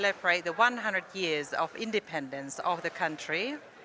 kami akan merayakan seratus tahun kemerdekaan negara